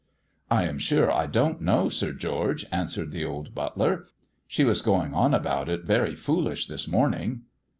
"I am sure I don't know, Sir George," answered the old butler. "She was going on about it very foolish this morning."